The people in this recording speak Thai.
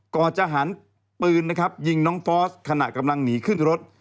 ก่อนจะหันปืนนะครับยิงน้องฟอสขณะกำลังหนีขึ้นรถ